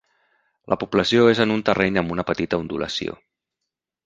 La població és en un terreny amb una petita ondulació.